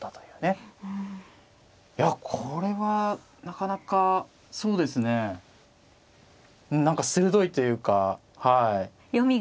いやこれはなかなかそうですね鋭いというかはい。